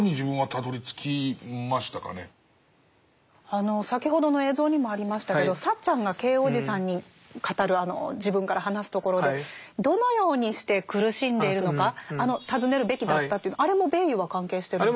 あの先ほどの映像にもありましたけどサッチャンがＫ伯父さんに語る自分から話すところでどのようにして苦しんでいるのか尋ねるべきだったというのあれもヴェイユが関係してるんですか？